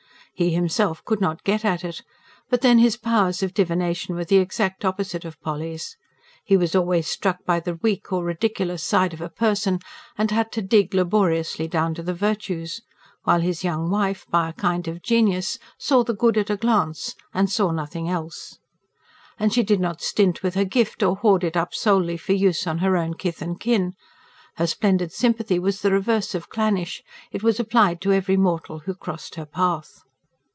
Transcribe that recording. He himself could not get at it; but then his powers of divination were the exact opposite of Polly's. He was always struck by the weak or ridiculous side of a person, and had to dig laboriously down to the virtues. While his young wife, by a kind of genius, saw the good at a glance and saw nothing else. And she did not stint with her gift, or hoard it up solely for use on her own kith and kin. Her splendid sympathy was the reverse of clannish; it was applied to every mortal who crossed her path.